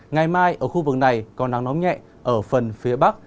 ngày mai ở khu vực này có nắng nóng nhẹ ở phần phía bắc